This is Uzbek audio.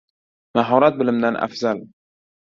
• Mahorat bilimdan afzal.